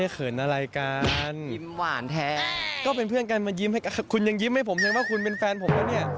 ครับเค้าเป็นเพื่อนก่อนครับ